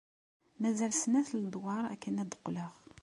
Mazal snat ledwaṛ akken ad d-qqleɣ.